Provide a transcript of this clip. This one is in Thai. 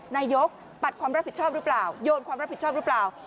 นายกปัดความรับผิดชอบหรือเปล่าโยนความรับผิดชอบหรือเปล่า